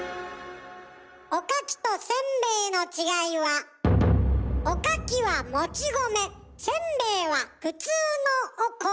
おかきとせんべいの違いはおかきはもち米せんべいは普通のお米。